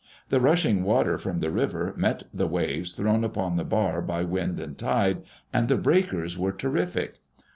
The rushing water from the river met the waves thrown upon the bar by wind and tide, and the breakers were terrific.